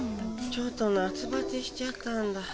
ちょっと夏バテしちゃったんだ。